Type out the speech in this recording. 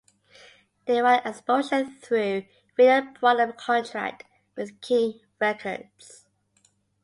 Their wide exposure through radio brought them a contract with King Records.